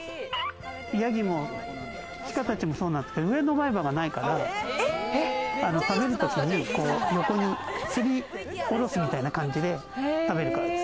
ヤギもシカたちも、そうなんですけど、上の前歯がないから食べるときに横にすりおろすみたいな感じで食べるからです。